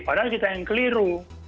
padahal kita yang keliru